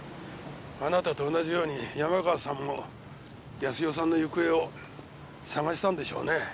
あなたと同じように山川さんも康代さんの行方を捜したんでしょうねぇ。